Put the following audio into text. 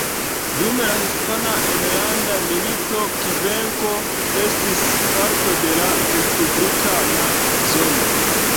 Dum la Hispana Enlanda Milito, Kvenko estis parto de la respublikana zono.